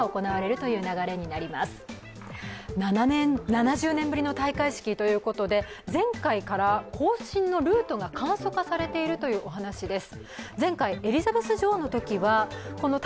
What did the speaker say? ７０年ぶりの戴冠式ということで、前回から行進のルートが簡素化されているというお話です。